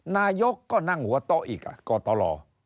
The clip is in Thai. นายกก็นั่งหัวโต๊ะอีกกตล